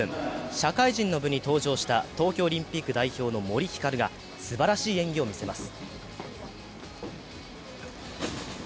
社会人の部に登場した東京オリンピック代表の森ひかるがすばらしい演技を見せます。